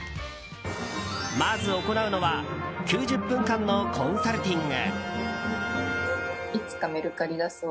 まず行うのは９０分間のコンサルティング。